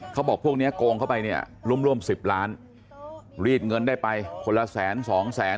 พวกนี้โกงเข้าไปเนี่ยร่วมร่วม๑๐ล้านรีดเงินได้ไปคนละแสนสองแสน